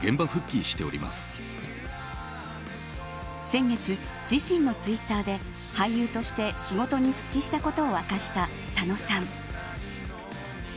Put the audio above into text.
先月、自身のツイッターで俳優として仕事に復帰したことを明かした佐野さん。